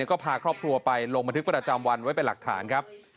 ก็พาครอบครัวไปลงบันทึกประจำวันไว้เป็นหลักฐานครับ